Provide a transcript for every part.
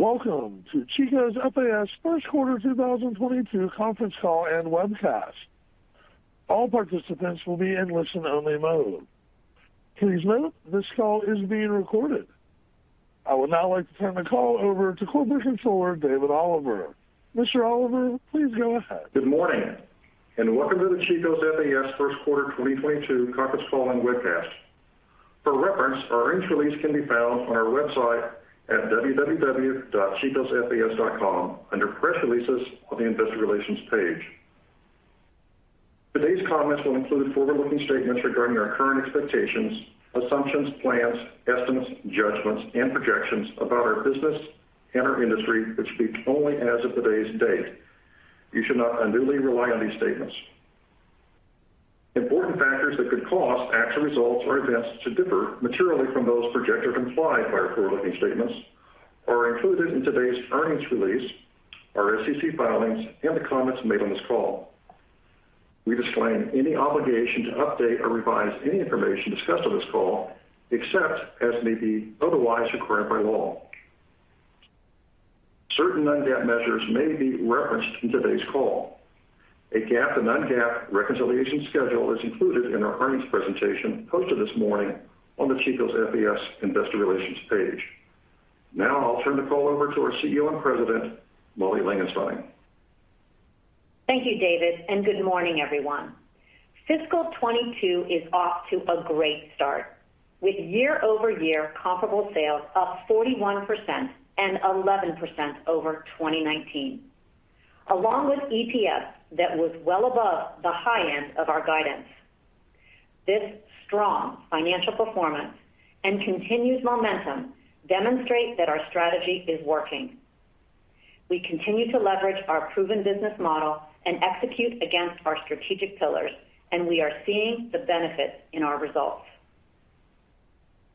Welcome to Chico's FAS first quarter 2022 conference call and webcast. All participants will be in listen only mode. Please note this call is being recorded. I would now like to turn the call over to Corporate Controller, David Oliver. Mr. Oliver, please go ahead. Good morning and welcome to the Chico's FAS first quarter 2022 conference call and webcast. For reference, our earnings release can be found on our website at www.chicosfas.com under Press Releases on the Investor Relations page. Today's comments will include forward-looking statements regarding our current expectations, assumptions, plans, estimates, judgments, and projections about our business and our industry, which speak only as of today's date. You should not unduly rely on these statements. Important factors that could cause actual results or events to differ materially from those projected and implied by our forward-looking statements are included in today's earnings release, our SEC filings and the comments made on this call. We disclaim any obligation to update or revise any information discussed on this call, except as may be otherwise required by law. Certain non-GAAP measures may be referenced in today's call. A GAAP and non-GAAP reconciliation schedule is included in our earnings presentation posted this morning on the Chico's FAS Investor Relations page. Now I'll turn the call over to our CEO and President, Molly Langenstein. Thank you, David, and good morning, everyone. Fiscal 2022 is off to a great start with year-over-year comparable sales up 41% and 11% over 2019. Along with EPS that was well above the high end of our guidance. This strong financial performance and continued momentum demonstrate that our strategy is working. We continue to leverage our proven business model and execute against our strategic pillars, and we are seeing the benefit in our results.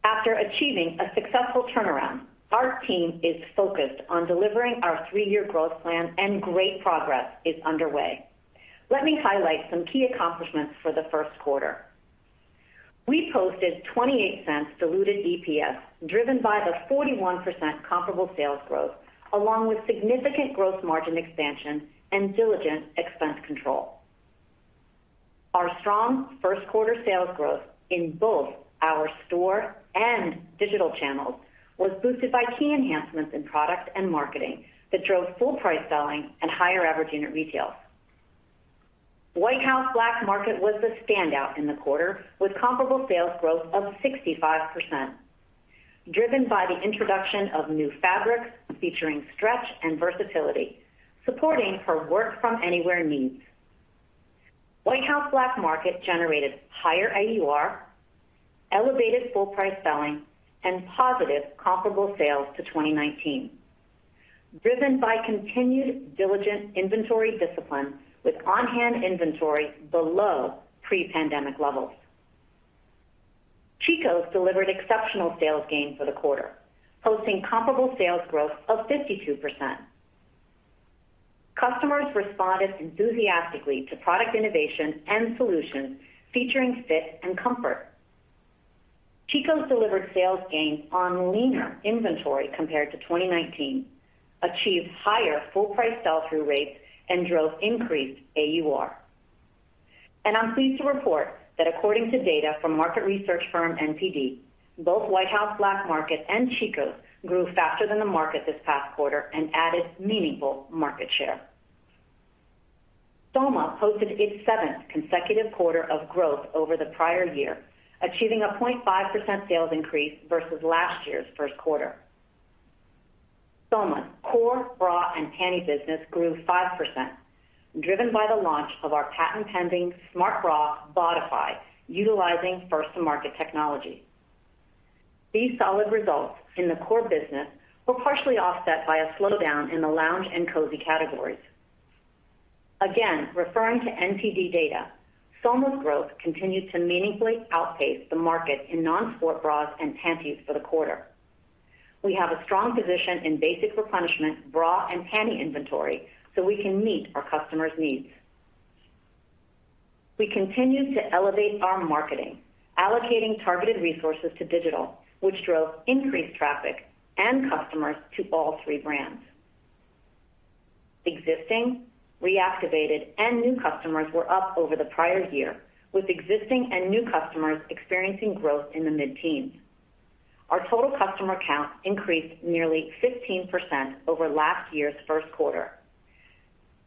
After achieving a successful turnaround, our team is focused on delivering our three-year growth plan and great progress is underway. Let me highlight some key accomplishments for the first quarter. We posted $0.28 diluted EPS, driven by the 41% comparable sales growth, along with significant gross margin expansion and diligent expense control. Our strong first quarter sales growth in both our store and digital channels was boosted by key enhancements in product and marketing that drove full price selling and higher average unit retail. White House Black Market was the standout in the quarter with comparable sales growth of 65%, driven by the introduction of new fabrics featuring stretch and versatility, supporting her work from anywhere needs. White House Black Market generated higher AUR, elevated full price selling and positive comparable sales to 2019, driven by continued diligent inventory discipline with on-hand inventory below pre-pandemic levels. Chico's delivered exceptional sales gain for the quarter, posting comparable sales growth of 52%. Customers responded enthusiastically to product innovation and solutions featuring fit and comfort. Chico's delivered sales gains on leaner inventory compared to 2019, achieved higher full price sell-through rates, and drove increased AUR. I'm pleased to report that according to data from market research firm NPD, both White House Black Market and Chico's grew faster than the market this past quarter and added meaningful market share. Soma posted its seventh consecutive quarter of growth over the prior year, achieving a 0.5% sales increase versus last year's first quarter. Soma's core bra and panty business grew 5%, driven by the launch of our patent-pending smart bra, Bodify, utilizing first to market technology. These solid results in the core business were partially offset by a slowdown in the lounge and cozy categories. Again, referring to NPD data, Soma's growth continued to meaningfully outpace the market in non-sport bras and panties for the quarter. We have a strong position in basic replenishment bra and panty inventory so we can meet our customers' needs. We continue to elevate our marketing, allocating targeted resources to digital, which drove increased traffic and customers to all three brands. Existing, reactivated, and new customers were up over the prior year, with existing and new customers experiencing growth in the mid-teens. Our total customer count increased nearly 15% over last year's first quarter.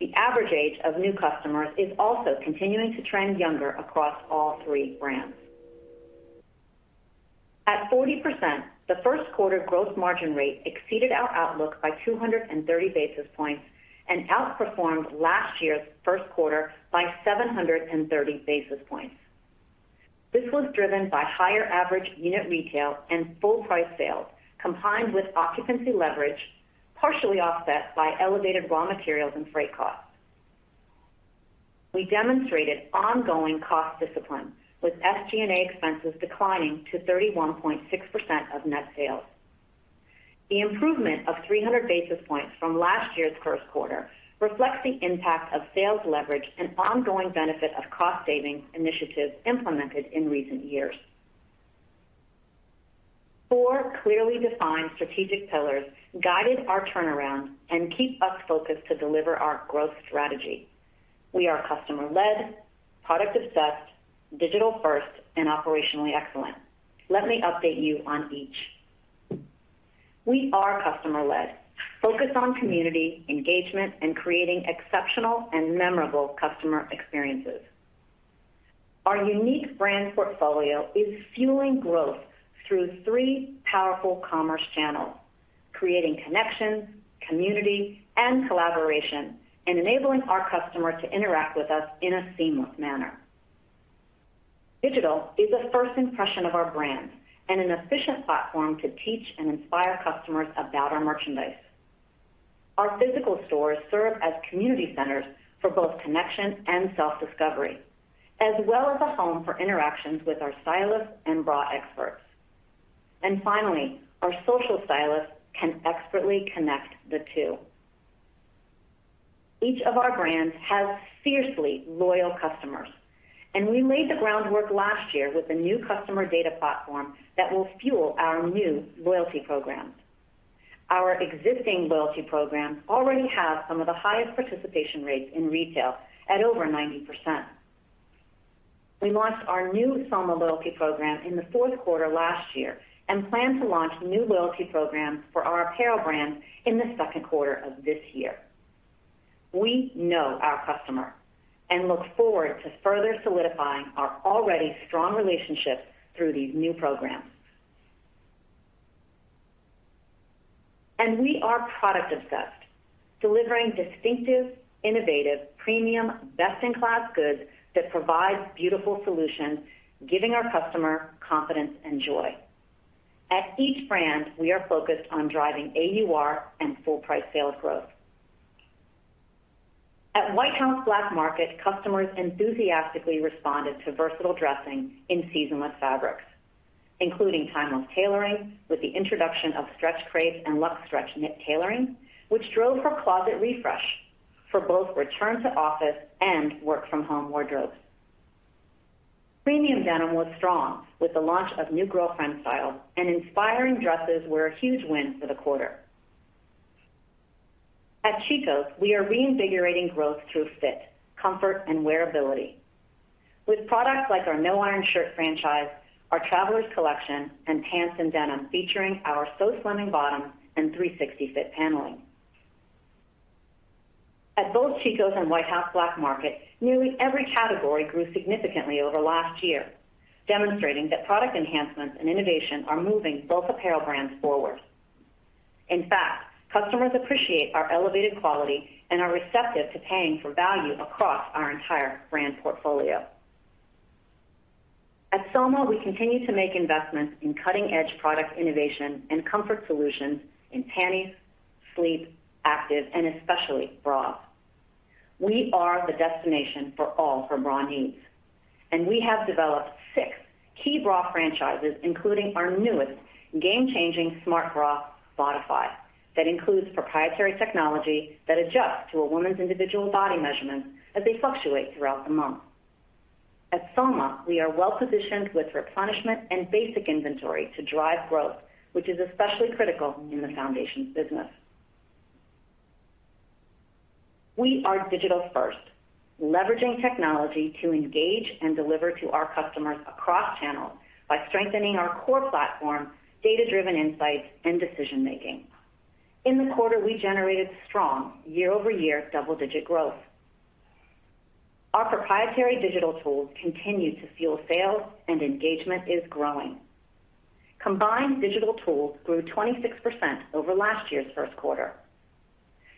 The average age of new customers is also continuing to trend younger across all three brands. At 40%, the first quarter gross margin rate exceeded our outlook by 230 basis points and outperformed last year's first quarter by 730 basis points. This was driven by higher average unit retail and full price sales, combined with occupancy leverage, partially offset by elevated raw materials and freight costs. We demonstrated ongoing cost discipline, with SG&A expenses declining to 31.6% of net sales. The improvement of 300 basis points from last year's first quarter reflects the impact of sales leverage and ongoing benefit of cost savings initiatives implemented in recent years. Four clearly defined strategic pillars guided our turnaround and keep us focused to deliver our growth strategy. We are customer-led, product obsessed, digital first, and operationally excellent. Let me update you on each. We are customer-led, focused on community engagement and creating exceptional and memorable customer experiences. Our unique brand portfolio is fueling growth through three powerful commerce channels, creating connections, community, and collaboration, and enabling our customer to interact with us in a seamless manner. Digital is a first impression of our brand and an efficient platform to teach and inspire customers about our merchandise. Our physical stores serve as community centers for both connection and self-discovery, as well as a home for interactions with our stylists and bra experts. Finally, our social stylists can expertly connect the two. Each of our brands has fiercely loyal customers, and we laid the groundwork last year with a new customer data platform that will fuel our new loyalty programs. Our existing loyalty programs already have some of the highest participation rates in retail at over 90%. We launched our new Soma loyalty program in the fourth quarter last year and plan to launch new loyalty programs for our apparel brands in the second quarter of this year. We know our customer and look forward to further solidifying our already strong relationships through these new programs. We are product obsessed, delivering distinctive, innovative, premium, best-in-class goods that provide beautiful solutions, giving our customer confidence and joy. At each brand, we are focused on driving AUR and full price sales growth. At White House Black Market, customers enthusiastically responded to versatile dressing in seasonless fabrics, including timeless tailoring with the introduction of stretch crepe and luxe stretch knit tailoring, which drove her closet refresh for both return to office and work from home wardrobes. Premium denim was strong with the launch of new girlfriend styles, and inspiring dresses were a huge win for the quarter. At Chico's, we are reinvigorating growth through fit, comfort, and wearability with products like our No-Iron Shirt franchise, our Travelers collection, and pants and denim featuring our So Slimming bottom and 360 fit paneling. At both Chico's and White House Black Market, nearly every category grew significantly over last year, demonstrating that product enhancements and innovation are moving both apparel brands forward. In fact, customers appreciate our elevated quality and are receptive to paying for value across our entire brand portfolio. At Soma, we continue to make investments in cutting-edge product innovation and comfort solutions in panties, sleep, active, and especially bras. We are the destination for all her bra needs, and we have developed six key bra franchises, including our newest game-changing smart bra, Bodify, that includes proprietary technology that adjusts to a woman's individual body measurements as they fluctuate throughout the month. At Soma, we are well positioned with replenishment and basic inventory to drive growth, which is especially critical in the foundations business. We are digital first, leveraging technology to engage and deliver to our customers across channels by strengthening our core platform, data-driven insights, and decision-making. In the quarter, we generated strong year-over-year double-digit growth. Our proprietary digital tools continue to fuel sales and engagement is growing. Combined digital tools grew 26% over last year's first quarter.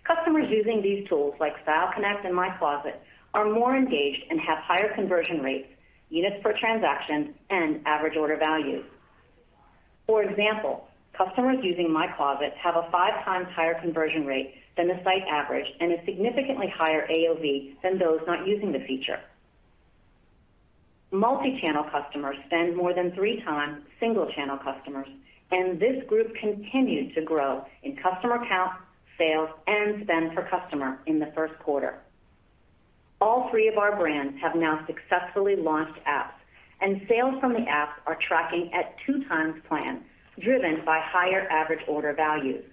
Customers using these tools, like Style Connect and MyCloset, are more engaged and have higher conversion rates, units per transaction, and average order value. For example, customers using MyCloset have a 5x higher conversion rate than the site average and a significantly higher AOV than those not using the feature. Multi-channel customers spend more than 3x single-channel customers, and this group continued to grow in customer count, sales, and spend per customer in the first quarter. All three of our brands have now successfully launched apps, and sales from the apps are tracking at 2x plan, driven by higher average order values.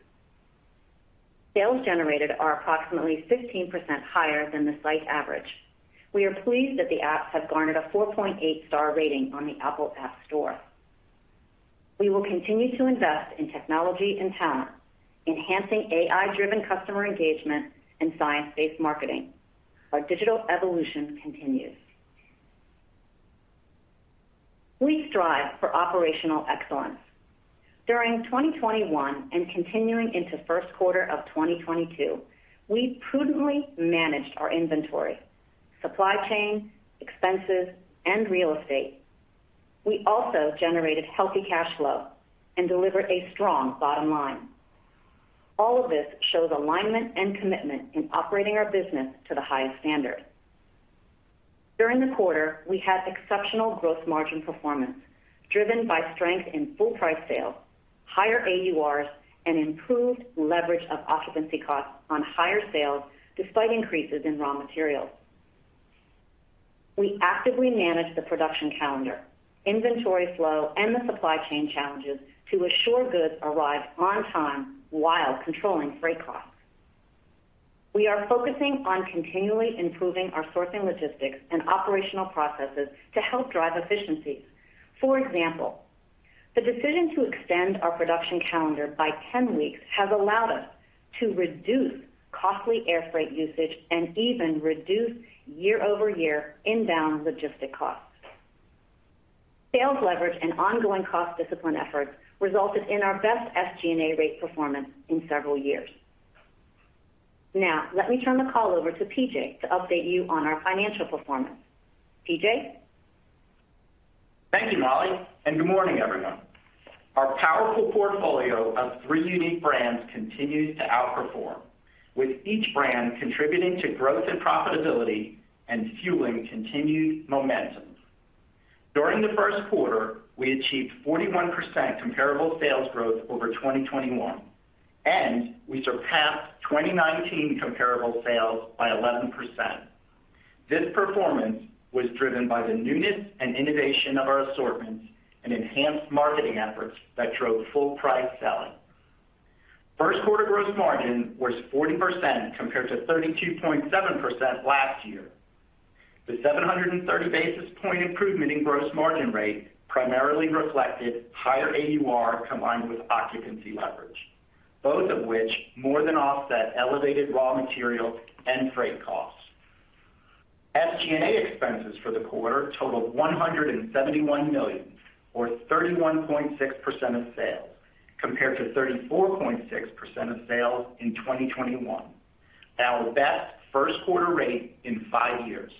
Sales generated are approximately 15% higher than the site average. We are pleased that the apps have garnered a 4.8 star rating on the Apple App Store. We will continue to invest in technology and talent, enhancing AI-driven customer engagement and science-based marketing. Our digital evolution continues. We strive for operational excellence. During 2021 and continuing into first quarter of 2022, we prudently managed our inventory, supply chain, expenses, and real estate. We also generated healthy cash flow and delivered a strong bottom line. All of this shows alignment and commitment in operating our business to the highest standard. During the quarter, we had exceptional gross margin performance driven by strength in full price sales, higher AURs and improved leverage of occupancy costs on higher sales despite increases in raw materials. We actively manage the production calendar, inventory flow, and the supply chain challenges to assure goods arrive on time while controlling freight costs. We are focusing on continually improving our sourcing logistics and operational processes to help drive efficiencies. For example, the decision to extend our production calendar by 10 weeks has allowed us to reduce costly air freight usage and even reduce year-over-year inbound logistics costs. Sales leverage and ongoing cost discipline efforts resulted in our best SG&A rate performance in several years. Now, let me turn the call over to PJ to update you on our financial performance. PJ? Thank you, Molly, and good morning, everyone. Our powerful portfolio of three unique brands continues to outperform, with each brand contributing to growth and profitability and fueling continued momentum. During the first quarter, we achieved 41% comparable sales growth over 2021, and we surpassed 2019 comparable sales by 11%. This performance was driven by the newness and innovation of our assortments and enhanced marketing efforts that drove full price selling. First quarter gross margin was 40% compared to 32.7% last year. The 730 basis point improvement in gross margin rate primarily reflected higher AUR combined with occupancy leverage, both of which more than offset elevated raw material and freight costs. SG&A expenses for the quarter totaled $171 million or 31.6% of sales, compared to 34.6% of sales in 2021. Our best first quarter rate in five years.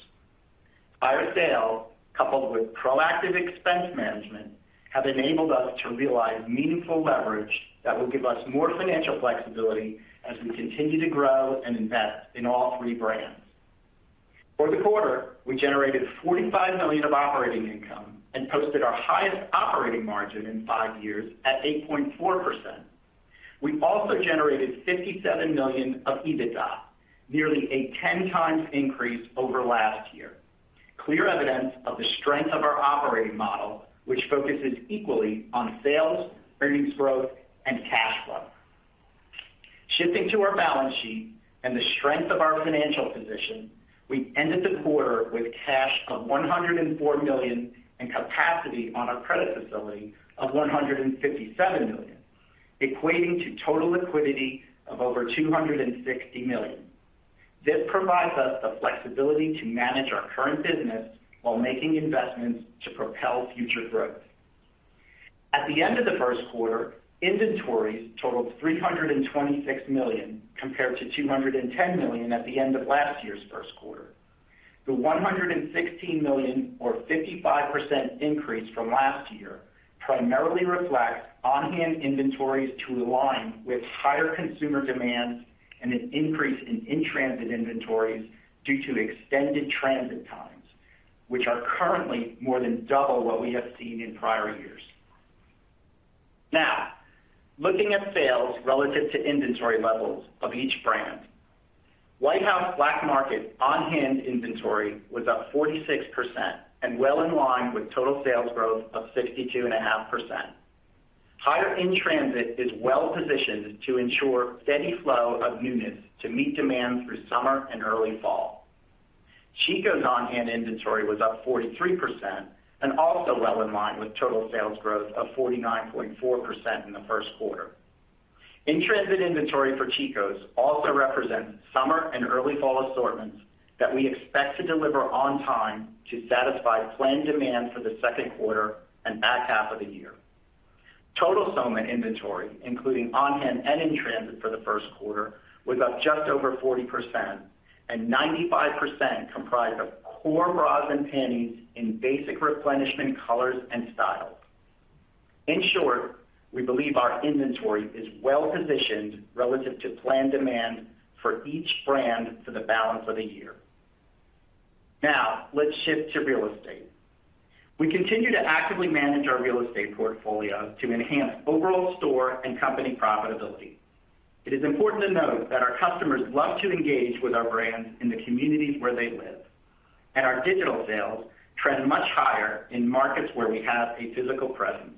Higher sales, coupled with proactive expense management, have enabled us to realize meaningful leverage that will give us more financial flexibility as we continue to grow and invest in all three brands. For the quarter, we generated $45 million of operating income and posted our highest operating margin in five years at 8.4%. We also generated $57 million of EBITDA, nearly a 10x increase over last year. Clear evidence of the strength of our operating model, which focuses equally on sales, earnings growth and cash flow. Shifting to our balance sheet and the strength of our financial position, we ended the quarter with cash of $104 million and capacity on our credit facility of $157 million, equating to total liquidity of over $260 million. This provides us the flexibility to manage our current business while making investments to propel future growth. At the end of the first quarter, inventories totaled $326 million, compared to $210 million at the end of last year's first quarter. The $116 million or 55% increase from last year primarily reflects on-hand inventories to align with higher consumer demand and an increase in transit inventories due to extended transit times, which are currently more than double what we have seen in prior years. Now, looking at sales relative to inventory levels of each brand. White House Black Market on-hand inventory was up 46% and well in line with total sales growth of 62.5%. Higher in-transit is well positioned to ensure steady flow of newness to meet demand through summer and early fall. Chico's on-hand inventory was up 43% and also well in line with total sales growth of 49.4% in the first quarter. In-transit inventory for Chico's also represents summer and early fall assortments that we expect to deliver on time to satisfy planned demand for the second quarter and back half of the year. Total Soma inventory, including on-hand and in-transit for the first quarter, was up just over 40% and 95% comprised of core bras and panties in basic replenishment colors and styles. In short, we believe our inventory is well positioned relative to planned demand for each brand for the balance of the year. Now, let's shift to real estate. We continue to actively manage our real estate portfolio to enhance overall store and company profitability. It is important to note that our customers love to engage with our brands in the communities where they live, and our digital sales trend much higher in markets where we have a physical presence.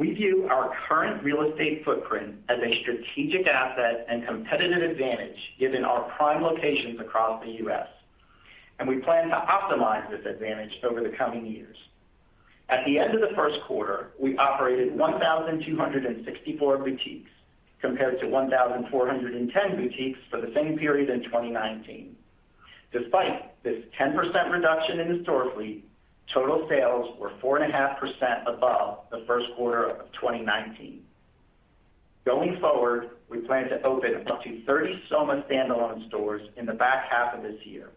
We view our current real estate footprint as a strategic asset and competitive advantage given our prime locations across the U.S., and we plan to optimize this advantage over the coming years. At the end of the first quarter, we operated 1,264 boutiques, compared to 1,410 boutiques for the same period in 2019. Despite this 10% reduction in the store fleet, total sales were 4.5% above the first quarter of 2019. Going forward, we plan to open up to 30 Soma standalone stores in the back half of this year.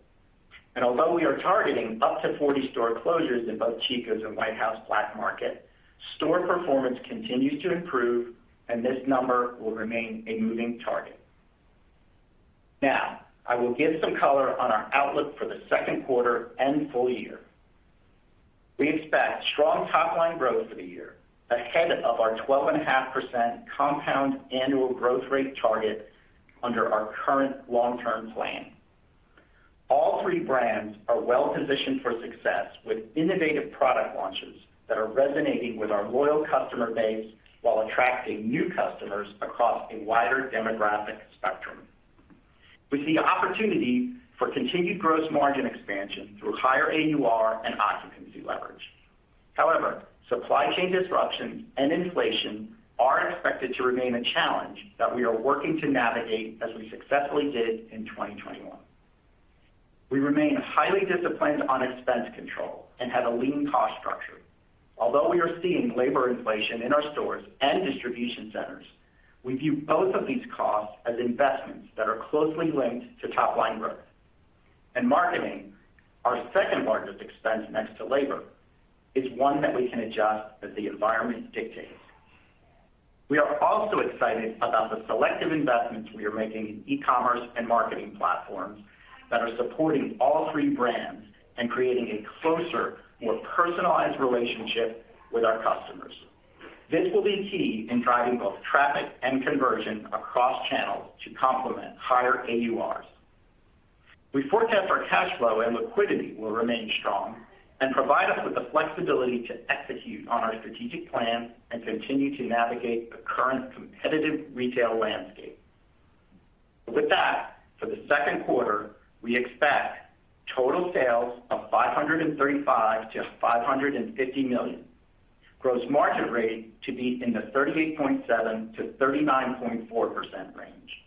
Although we are targeting up to 40 store closures in both Chico's and White House Black Market, store performance continues to improve and this number will remain a moving target. Now, I will give some color on our outlook for the second quarter and full year. We expect strong top line growth for the year ahead of our 12.5% compound annual growth rate target under our current long-term plan. All three brands are well positioned for success with innovative product launches that are resonating with our loyal customer base while attracting new customers across a wider demographic spectrum. We see opportunity for continued gross margin expansion through higher AUR and occupancy leverage. However, supply chain disruptions and inflation are expected to remain a challenge that we are working to navigate as we successfully did in 2021. We remain highly disciplined on expense control and have a lean cost structure. Although we are seeing labor inflation in our stores and distribution centers, we view both of these costs as investments that are closely linked to top line growth. Marketing, our second largest expense next to labor, is one that we can adjust as the environment dictates. We are also excited about the selective investments we are making in e-commerce and marketing platforms that are supporting all three brands and creating a closer, more personalized relationship with our customers. This will be key in driving both traffic and conversion across channels to complement higher AURs. We forecast our cash flow and liquidity will remain strong and provide us with the flexibility to execute on our strategic plan and continue to navigate the current competitive retail landscape. With that, for the second quarter, we expect total sales of $535 million-$550 million. Gross margin rate to be in the 38.7%-39.4% range.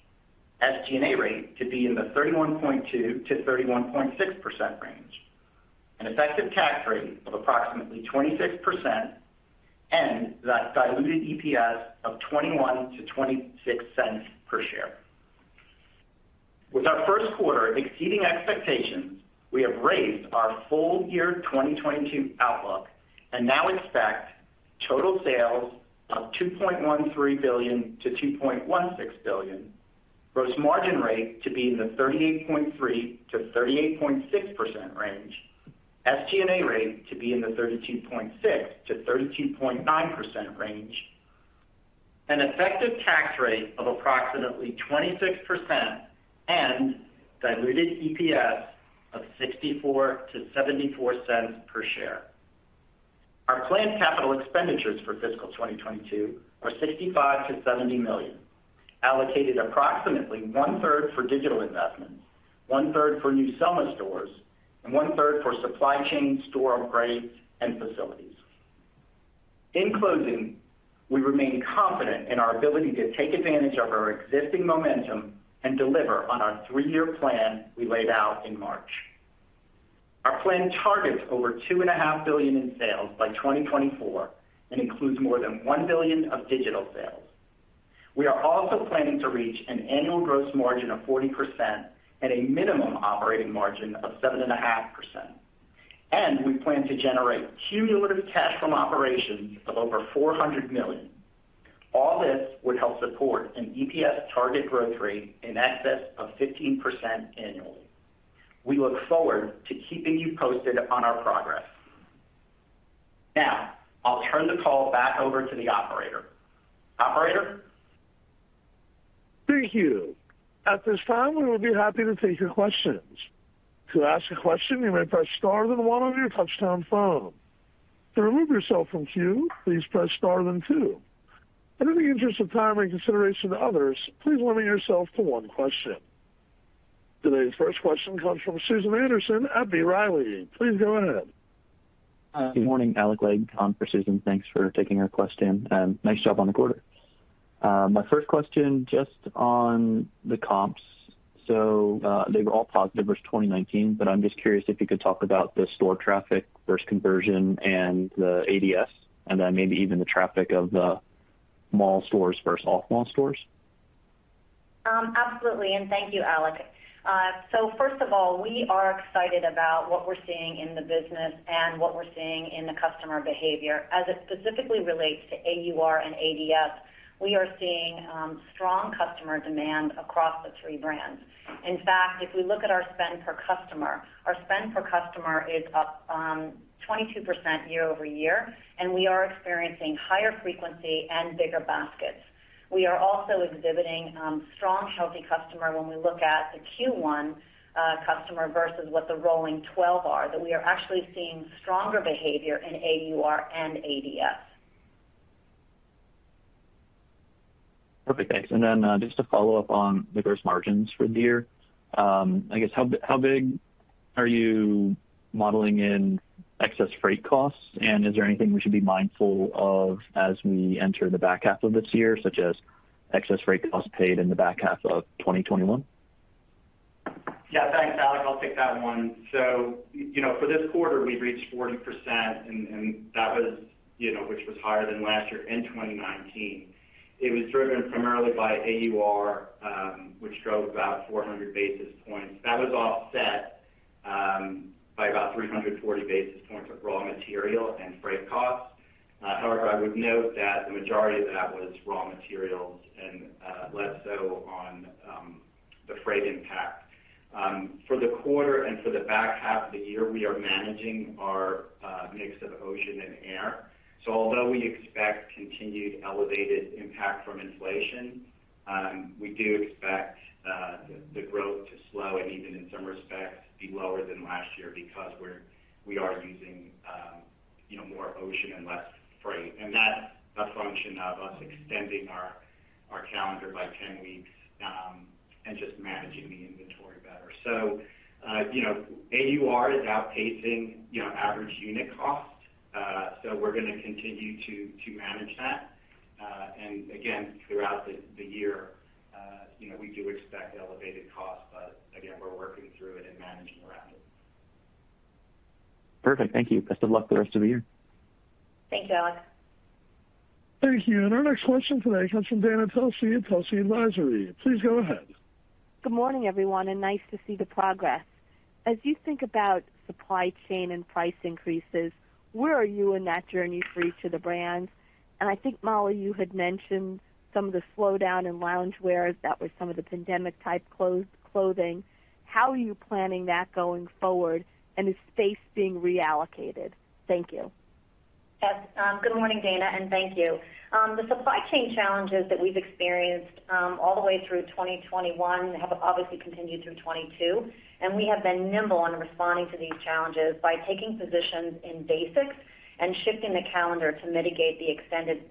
SG&A rate to be in the 31.2%-31.6% range. An effective tax rate of approximately 26% and the diluted EPS of $0.21-$0.26 per share. With our first quarter exceeding expectations, we have raised our full year 2022 outlook and now expect total sales of $2.13 billion-$2.16 billion. Gross margin rate to be in the 38.3%-38.6% range. SG&A rate to be in the 32.6%-32.9% range. An effective tax rate of approximately 26% and diluted EPS of $0.64-$0.74. Our planned capital expenditures for fiscal 2022 are $65-$70 million, allocated approximately one-third for digital investments, one-third for new Soma stores, and one-third for supply chain store upgrades and facilities. In closing, we remain confident in our ability to take advantage of our existing momentum and deliver on our three-year plan we laid out in March. Our plan targets over $2.5 billion in sales by 2024 and includes more than $1 billion of digital sales. We are also planning to reach an annual gross margin of 40% and a minimum operating margin of 7.5%. We plan to generate cumulative cash from operations of over $400 million. All this would help support an EPS target growth rate in excess of 15% annually. We look forward to keeping you posted on our progress. Now, I'll turn the call back over to the operator. Operator? Thank you. At this time, we will be happy to take your questions. To ask a question, you may press star then one on your touchtone phone. To remove yourself from queue, please press star then two. In the interest of time and consideration to others, please limit yourself to one question. Today's first question comes from Susan Anderson at B. Riley. Please go ahead. Hi. Good morning, Alec Legg on for Susan. Thanks for taking our question, and nice job on the quarter. My first question just on the comps. They were all positive versus 2019, but I'm just curious if you could talk about the store traffic versus conversion and the ADS, and then maybe even the traffic of the mall stores versus off-mall stores. Absolutely, thank you, Alec Legg. First of all, we are excited about what we're seeing in the business and what we're seeing in the customer behavior. As it specifically relates to AUR and ADS, we are seeing strong customer demand across the three brands. In fact, if we look at our spend per customer, our spend per customer is up 22% year-over-year, and we are experiencing higher frequency and bigger baskets. We are also exhibiting strong, healthy customer when we look at the Q1 customer versus what the rolling twelve are, that we are actually seeing stronger behavior in AUR and ADS. Perfect. Thanks. Just to follow up on the gross margins for the year, I guess how big are you modeling in excess freight costs? Is there anything we should be mindful of as we enter the back half of this year, such as excess freight costs paid in the back half of 2021? Yeah. Thanks, Alec. I'll take that one. You know, for this quarter, we reached 40% and that was, you know, which was higher than last year in 2019. It was driven primarily by AUR, which drove about 400 basis points. That was offset by about 340 basis points of raw material and freight costs. However, I would note that the majority of that was raw materials and less so on the freight impact. For the quarter and for the back half of the year, we are managing our mix of ocean and air. Although we expect continued elevated impact from inflation, we do expect the growth to slow and even in some respects be lower than last year because we are using you know, more ocean and less freight. That's a function of us extending our calendar by 10 weeks and just managing the inventory better. You know, AUR is outpacing average unit cost. We're gonna continue to manage that. Again, throughout the year, you know, we do expect elevated costs, but again, we're working through it and managing around it. Perfect. Thank you. Best of luck the rest of the year. Thank you, Alex. Thank you. Our next question today comes from Dana Telsey at Telsey Advisory. Please go ahead. Good morning, everyone, and nice to see the progress. As you think about supply chain and price increases, where are you in that journey for each of the brands? I think, Molly, you had mentioned some of the slowdown in loungewear. That was some of the pandemic type clothing. How are you planning that going forward, and is space being reallocated? Thank you. Yes. Good morning, Dana, and thank you. The supply chain challenges that we've experienced all the way through 2021 have obviously continued through 2022, and we have been nimble in responding to these challenges by taking positions in basics and shifting the calendar to mitigate the extended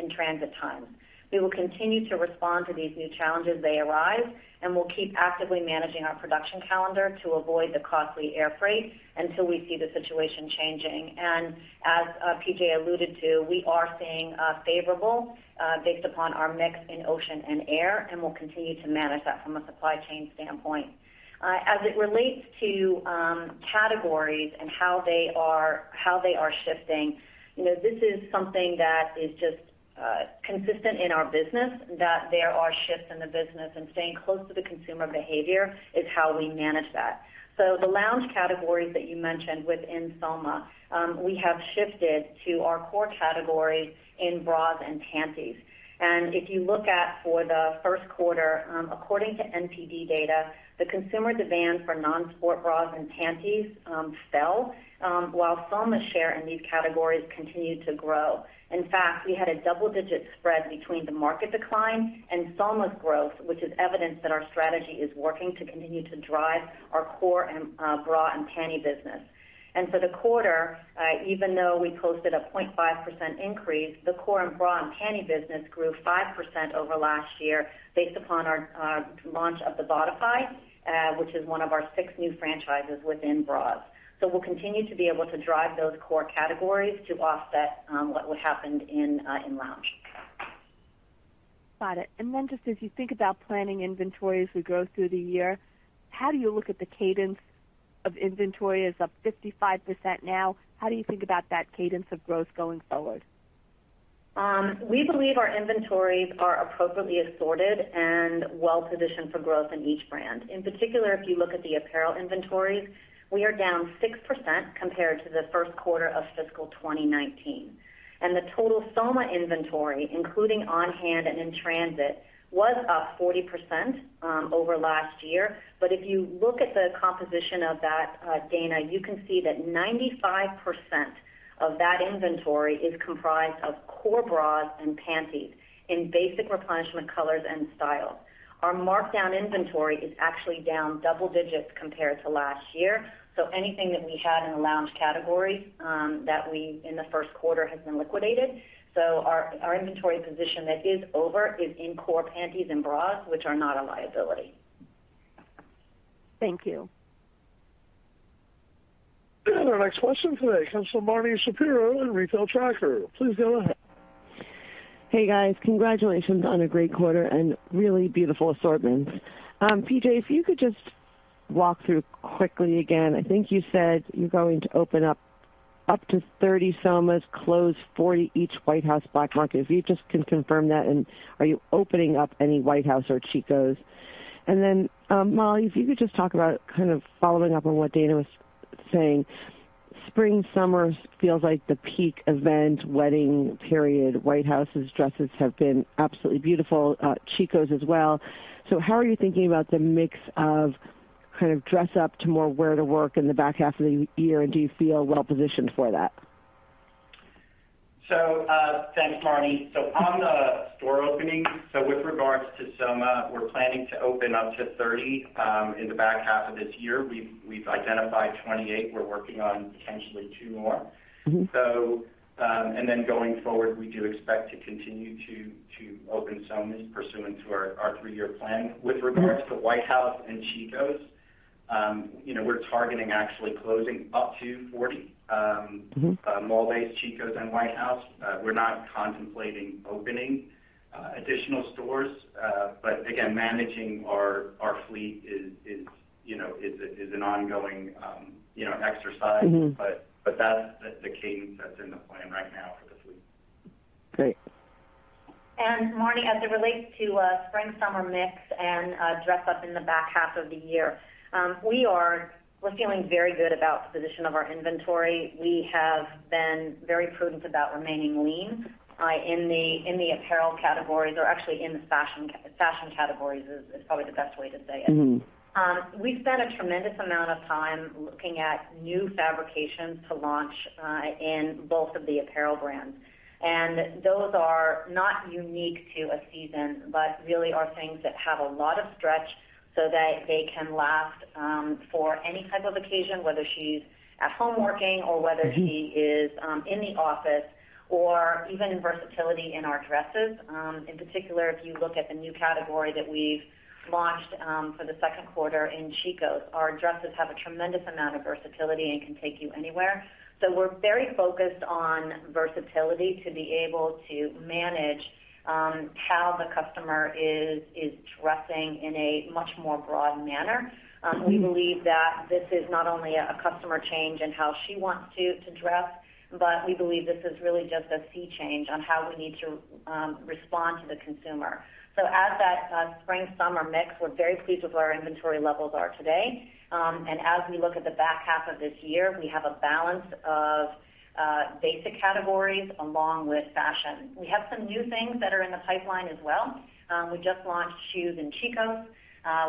in-transit time. We will continue to respond to these new challenges as they arise, and we'll keep actively managing our production calendar to avoid the costly air freight until we see the situation changing. As PJ alluded to, we are seeing favorable based upon our mix in ocean and air, and we'll continue to manage that from a supply chain standpoint. As it relates to categories and how they are shifting, you know, this is something that is just consistent in our business, that there are shifts in the business, and staying close to the consumer behavior is how we manage that. The lounge categories that you mentioned within Soma, we have shifted to our core categories in bras and panties. If you look at for the first quarter, according to NPD data, the consumer demand for non-sport bras and panties fell while Soma's share in these categories continued to grow. In fact, we had a double-digit spread between the market decline and Soma's growth, which is evidence that our strategy is working to continue to drive our core and bra and panty business. For the quarter, even though we posted a 0.5% increase, the core and bra and panty business grew 5% over last year based upon our launch of the Bodify, which is one of our six new franchises within bras. We'll continue to be able to drive those core categories to offset what happened in lounge. Got it. Just as you think about planning inventory as we go through the year, how do you look at the cadence of inventory is up 55% now? How do you think about that cadence of growth going forward? We believe our inventories are appropriately assorted and well positioned for growth in each brand. In particular, if you look at the apparel inventories, we are down 6% compared to the first quarter of fiscal 2019. The total Soma inventory, including on hand and in transit, was up 40% over last year. If you look at the composition of that, Dana, you can see that 95% of that inventory is comprised of core bras and panties in basic replenishment colors and styles. Our markdown inventory is actually down double digits compared to last year. Anything that we had in the lounge category in the first quarter has been liquidated. Our inventory position that is over is in core panties and bras, which are not a liability. Thank you. Our next question today comes from Marni Shapiro of The Retail Tracker. Please go ahead. Hey, guys. Congratulations on a great quarter and really beautiful assortments. PJ, if you could just walk through quickly again. I think you said you're going to open up to 30 Soma, close 40 each White House Black Market. If you just can confirm that, and are you opening up any White House Black Market or Chico's? Molly, if you could just talk about kind of following up on what Dana was saying. Spring/summer feels like the peak event wedding period. White House Black Market's dresses have been absolutely beautiful, Chico's as well. How are you thinking about the mix of kind of dress up to more wear to work in the back half of the year, and do you feel well positioned for that? Thanks, Marni. On the store opening, with regards to Soma, we're planning to open up to 30 in the back half of this year. We've identified 28. We're working on potentially two more. Mm-hmm. Going forward, we do expect to continue to open Somas pursuant to our three-year plan. With regards to White House Black Market and Chico's, you know, we're targeting actually closing up to 40 mall-based Chico's and White House Black Market. We're not contemplating opening additional stores. Again, managing our fleet is an ongoing exercise. Mm-hmm. That's the cadence that's in the plan right now for the fleet. Great. Marnie, as it relates to spring, summer mix and dress up in the back half of the year, we're feeling very good about the position of our inventory. We have been very prudent about remaining lean in the apparel categories or actually in the fashion categories is probably the best way to say it. Mm-hmm. We've spent a tremendous amount of time looking at new fabrications to launch in both of the apparel brands. Those are not unique to a season, but really are things that have a lot of stretch so that they can last for any type of occasion, whether she's at home working or whether she is in the office or even in versatility in our dresses. In particular, if you look at the new category that we've launched for the second quarter in Chico's, our dresses have a tremendous amount of versatility and can take you anywhere. We're very focused on versatility to be able to manage how the customer is dressing in a much more broad manner. We believe that this is not only a customer change in how she wants to dress, but we believe this is really just a sea change on how we need to respond to the consumer. As that spring, summer mix, we're very pleased with where our inventory levels are today. As we look at the back half of this year, we have a balance of basic categories along with fashion. We have some new things that are in the pipeline as well. We just launched shoes in Chico's.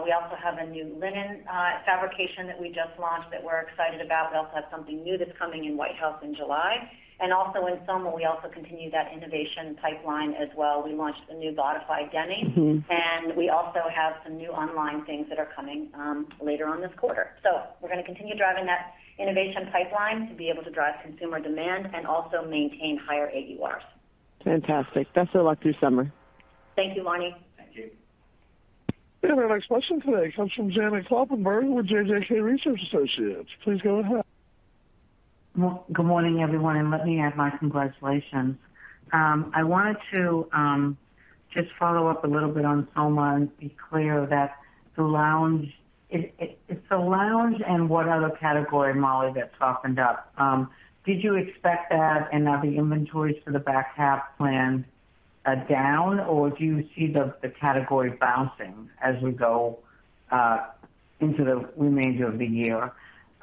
We also have a new linen fabrication that we just launched that we're excited about. We also have something new that's coming in White House Black Market in July. Also in Soma, we also continue that innovation pipeline as well. We launched a new Bodify Demi. Mm-hmm. We also have some new online things that are coming later on this quarter. We're gonna continue driving that innovation pipeline to be able to drive consumer demand and also maintain higher AURs. Fantastic. Best of luck through summer. Thank you, Marni. Thank you. Our next question today comes from Janet Kloppenburg with JJK Research Associates. Please go ahead. Well, good morning, everyone, and let me add my congratulations. I wanted to just follow up a little bit on Soma and be clear that it's the lounge and what other category, Molly, that softened up. Did you expect that and are the inventories for the back half planned down, or do you see the category bouncing as we go into the remainder of the year?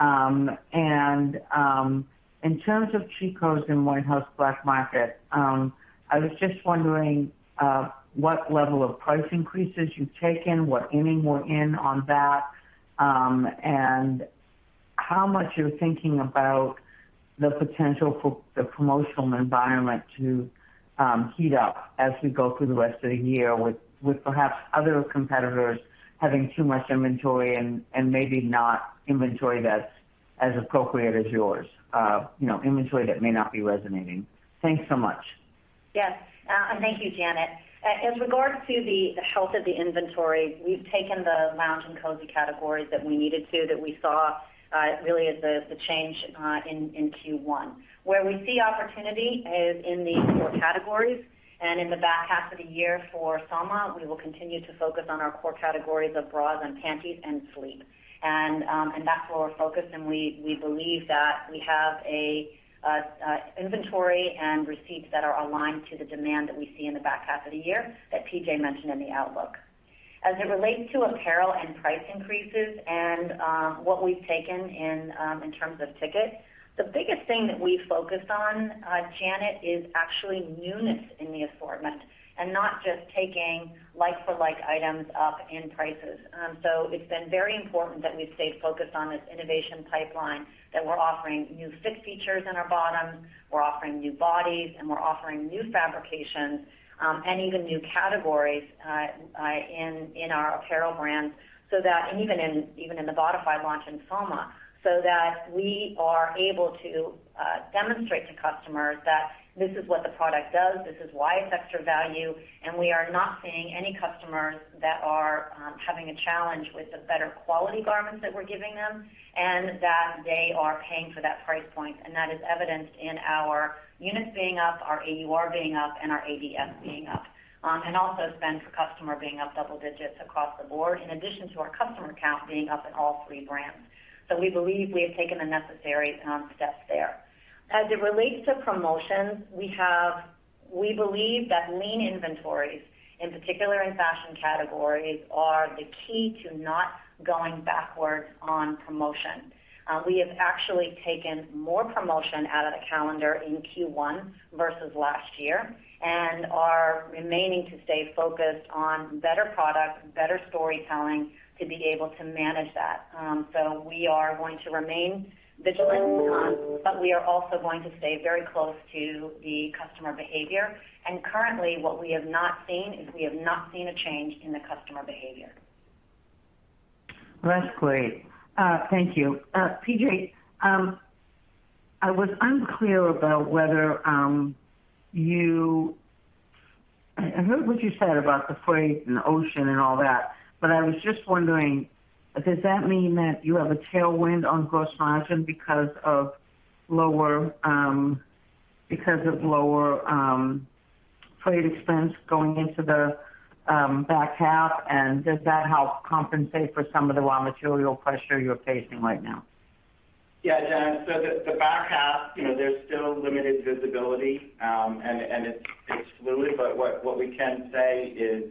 In terms of Chico's and White House Black Market, I was just wondering what level of price increases you've taken, what inning we're in on that, and how much you're thinking about the potential for the promotional environment to heat up as we go through the rest of the year with perhaps other competitors having too much inventory and maybe not inventory that's as appropriate as yours. You know, inventory that may not be resonating. Thanks so much. Yes. Thank you, Janet. In regards to the health of the inventory, we've taken the lounge and cozy categories that we needed to, that we saw really as the change in Q1. Where we see opportunity is in the core categories. In the back half of the year for Soma, we will continue to focus on our core categories of bras and panties and sleep. That's where we're focused, and we believe that we have a inventory and receipts that are aligned to the demand that we see in the back half of the year that PJ mentioned in the outlook. As it relates to apparel and price increases and what we've taken in in terms of ticket, the biggest thing that we focused on, Janet, is actually units in the assortment and not just taking like for like items up in prices. It's been very important that we've stayed focused on this innovation pipeline, that we're offering new fit features in our bottoms, we're offering new bodies, and we're offering new fabrications and even new categories in our apparel brands so that. Even in the Bodify launch in Soma, so that we are able to demonstrate to customers that this is what the product does, this is why it's extra value, and we are not seeing any customers that are having a challenge with the better quality garments that we're giving them, and that they are paying for that price point. That is evidenced in our units being up, our AUR being up, and our ADS being up, and also spend for customer being up double digits across the board, in addition to our customer count being up in all three brands. We believe we have taken the necessary steps there. As it relates to promotions, we believe that lean inventories, in particular in fashion categories, are the key to not going backward on promotion. We have actually taken more promotion out of the calendar in Q1 versus last year and are remaining to stay focused on better product, better storytelling to be able to manage that. We are going to remain vigilant, but we are also going to stay very close to the customer behavior. Currently what we have not seen is we have not seen a change in the customer behavior. That's great. Thank you. PJ, I was unclear about whether I heard what you said about the freight and the ocean and all that, but I was just wondering, does that mean that you have a tailwind on gross margin because of lower freight expense going into the back half? Does that help compensate for some of the raw material pressure you're facing right now? Yeah, Janet. The back half, you know, there's still limited visibility, and it's fluid. What we can say is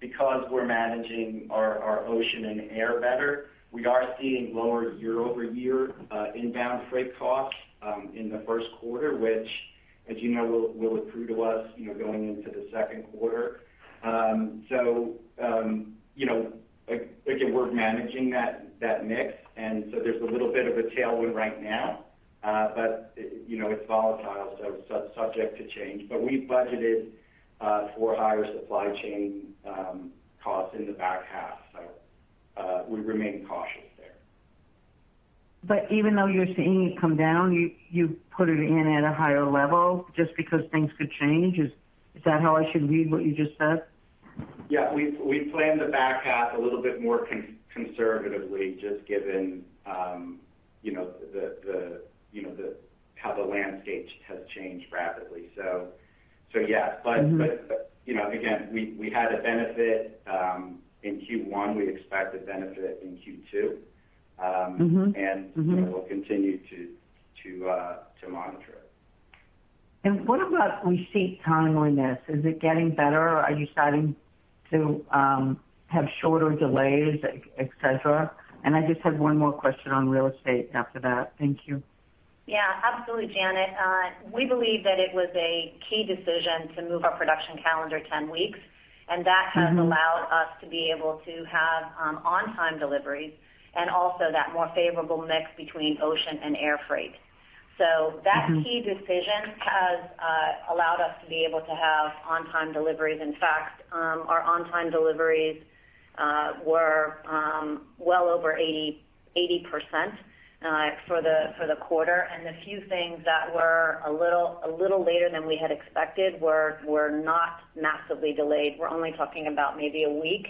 because we're managing our ocean and air better, we are seeing lower year-over-year inbound freight costs in the first quarter, which, as you know, will accrue to us, you know, going into the second quarter. You know, like, again, we're managing that mix, and so there's a little bit of a tailwind right now. You know, it's volatile, so subject to change. We budgeted for higher supply chain costs in the back half. We remain cautious there. Even though you're seeing it come down, you put it in at a higher level just because things could change? Is that how I should read what you just said? Yeah. We plan the back half a little bit more conservatively, just given you know how the landscape has changed rapidly. So yeah. Mm-hmm. You know, again, we had a benefit in Q1. We expect a benefit in Q2. Mm-hmm. We'll continue to monitor it. What about receipt timeliness? Is it getting better? Are you starting to have shorter delays, et cetera? I just have one more question on real estate after that. Thank you. Yeah, absolutely, Janet. We believe that it was a key decision to move our production calendar 10 weeks, and that has allowed us to be able to have on-time deliveries and also that more favorable mix between ocean and air freight. Mm-hmm. That key decision has allowed us to be able to have on-time deliveries. In fact, our on-time deliveries were well over 80% for the quarter. The few things that were a little later than we had expected were not massively delayed. We're only talking about maybe a week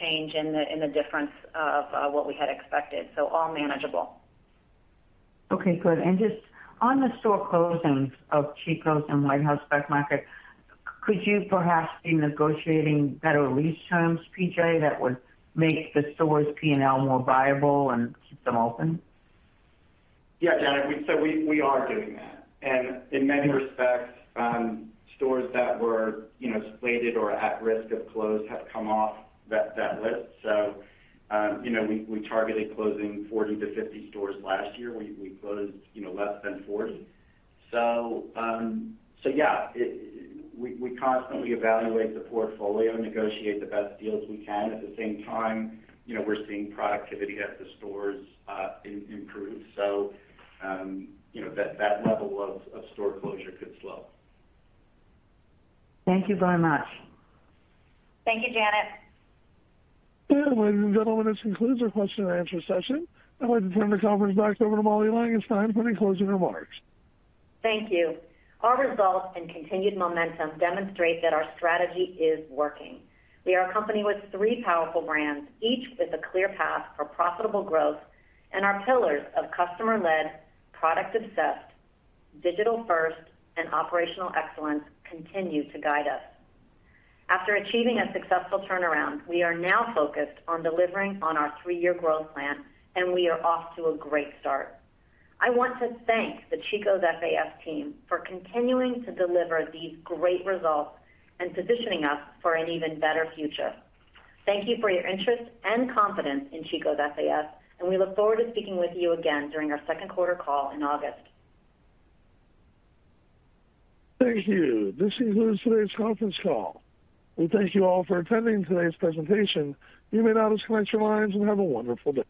change in the difference of what we had expected. All manageable. Okay, good. Just on the store closings of Chico's and White House Black Market, could you perhaps be negotiating better lease terms, PJ, that would make the stores' P&L more viable and keep them open? Yeah, Janet. We are doing that. In many respects, stores that were slated or at risk of close have come off that list. We targeted closing 40-50 stores last year. We closed less than 40. We constantly evaluate the portfolio, negotiate the best deals we can. At the same time, we're seeing productivity at the stores improve. That level of store closure could slow. Thank you very much. Thank you, Janet. Ladies and gentlemen, this concludes our question and answer session. I'd like to turn the conference back over to Molly Langenstein for any closing remarks. Thank you. Our results and continued momentum demonstrate that our strategy is working. We are a company with three powerful brands, each with a clear path for profitable growth. Our pillars of customer-led, product obsessed, digital first and operational excellence continue to guide us. After achieving a successful turnaround, we are now focused on delivering on our three-year growth plan, and we are off to a great start. I want to thank the Chico's FAS team for continuing to deliver these great results and positioning us for an even better future. Thank you for your interest and confidence in Chico's FAS, and we look forward to speaking with you again during our second quarter call in August. Thank you. This concludes today's conference call. We thank you all for attending today's presentation. You may now disconnect your lines and have a wonderful day.